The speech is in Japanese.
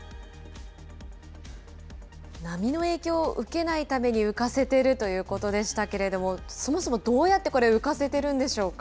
波の影響を受けないために浮かせているということでしたけれども、そもそもどうやって、これ浮かせてるんでしょうか。